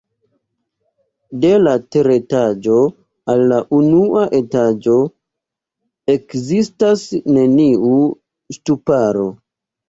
De la teretaĝo al la unua etaĝo ekzistas neniu ŝtuparo.